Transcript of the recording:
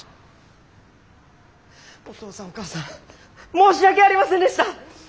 お父さんお母さん申し訳ありませんでした！